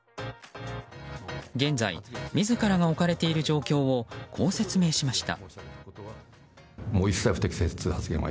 現在、自らが置かれている状況をこう説明しました。